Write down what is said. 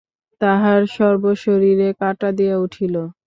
তাঁহার সর্বশরীরে কাঁটা দিয়া উঠিল।